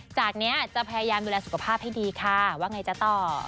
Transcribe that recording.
จากนี้จะพยายามดูแลสุขภาพให้ดีค่ะว่าไงจ๊ะต่อ